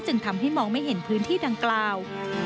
จึงทำให้มองไม่เห็นพื้นที่ดังกล่าว